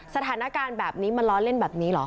สถานการณ์แบบนี้มันล้อเล่นแบบนี้เหรอ